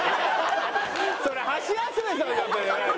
それハシヤスメさんだったんじゃないの？